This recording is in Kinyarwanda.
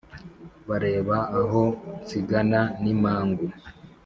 Bareba aho nsigana n’Imangu